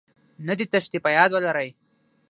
نه دې تېښتې.په ياد ولرئ